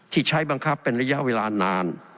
ที่ใช้บังคับเป็นระยะเวลานาน